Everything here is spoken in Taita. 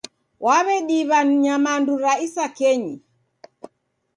Wawediwa nyamandu ra isakenyi